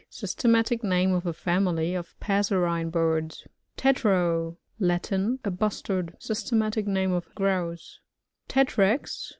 Systematic name of a family of passerine birds. Tetrao. — Latin. A Bustard. Sys. tematic name of Grouse* Tbtrax.